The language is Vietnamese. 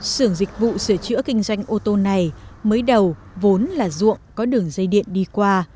sưởng dịch vụ sửa chữa kinh doanh ô tô này mới đầu vốn là ruộng có đường dây điện đi qua